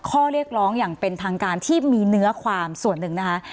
ข้อเรียกร้องอย่างเป็นทางการที่มีเนื้อความส่วนหนึ่งนะคะ